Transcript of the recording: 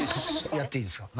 やっていいですか？